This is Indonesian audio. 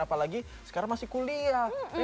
apalagi sekarang masih kuliah